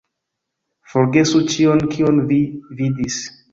Forgesu ĉion kion vi vidis